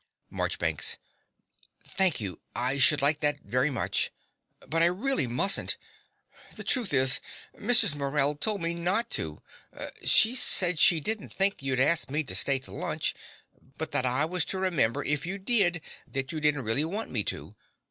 MARCHBANKS. Thank you, I should like that very much. But I really mustn't. The truth is, Mrs. Morell told me not to. She said she didn't think you'd ask me to stay to lunch, but that I was to remember, if you did, that you didn't really want me to.